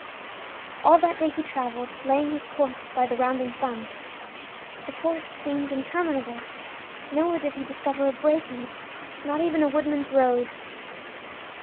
All that day he traveled, laying his course by the rounding sun. The forest seemed interminable; nowhere did he discover a break in it, not even a woodman’s road.